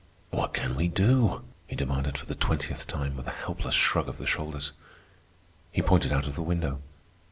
"What can we do?" he demanded for the twentieth time, with a helpless shrug of the shoulders. He pointed out of the window.